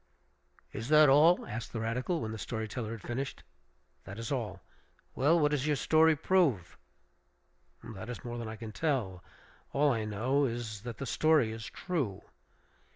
"Is that all?" asked the radical, when the story teller had finished. "That is all." "Well, what does your story prove?" "That is more than I can tell. All I know is that the story is true."